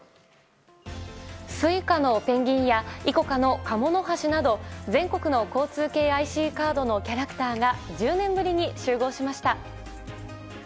ＳｕｉｃａのペンギンやキャラクターがＩＣＯＣＡのカモノハシなど全国の交通系ＩＣカードのキャラクターが１０年ぶりに集合しました。